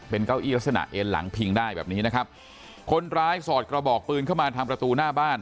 เก้าอี้ลักษณะเอ็นหลังพิงได้แบบนี้นะครับคนร้ายสอดกระบอกปืนเข้ามาทางประตูหน้าบ้าน